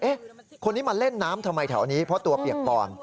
คนนี้มาเล่นน้ำทำไมแถวนี้เพราะตัวเปียกปอน